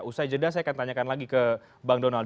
usai jeda saya akan tanyakan lagi ke bang donald